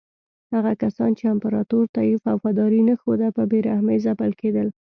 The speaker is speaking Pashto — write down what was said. هغه کسان چې امپراتور ته یې وفاداري نه ښوده په بې رحمۍ ځپل کېدل.